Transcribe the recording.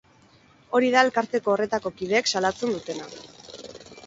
Hori da elkarteko horretako kideek salatzen dutena.